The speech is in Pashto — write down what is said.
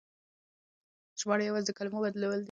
ژباړه يوازې د کلمو بدلول نه دي.